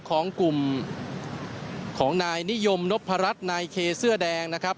ของกลุ่มของนายนิยมนพรัชนายเคเสื้อแดงนะครับ